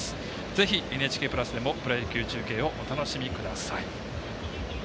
ぜひＮＨＫプラスでもプロ野球中継をお楽しみください。